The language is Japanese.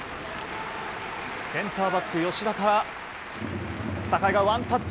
センターバック、吉田からワンタッチ。